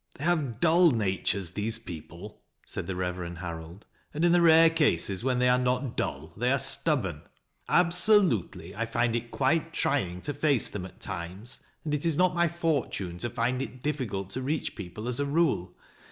They have dull natures, these people," said the Rev erend Harold ;" and in the rare cases where they are not dull, they are stubborn. Absolutely, I find it quite trying to face them at times, and it is not my fortune to find it difficult to reach people, as a rule.